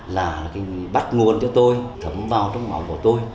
là cái bắt nguồn cho tôi thấm vào trong máu của tôi